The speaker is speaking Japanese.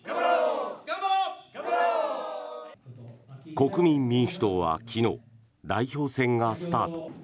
国民民主党は昨日代表選がスタート。